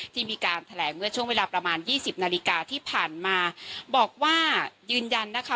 ที่มีการแถลงเมื่อช่วงเวลาประมาณยี่สิบนาฬิกาที่ผ่านมาบอกว่ายืนยันนะคะ